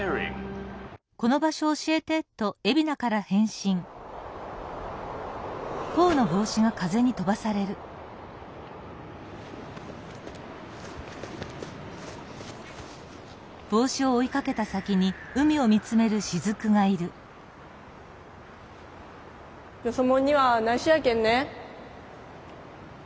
回そうよそもんにはないしょやけんね。